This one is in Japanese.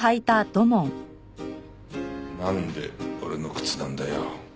なんで俺の靴なんだよ。